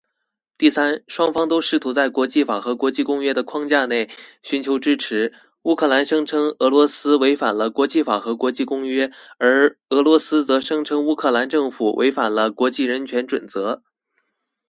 第三，双方都试图在国际法和国际公约的框架内寻求支持。乌克兰声称俄罗斯违反了国际法和国际公约，而俄罗斯则声称乌克兰政府违反了国际人权准则。